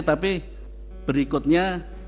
tapi berikutnya dua puluh lima